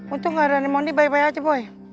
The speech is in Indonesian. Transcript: untung gak ada yang nge mondi baik baik aja boy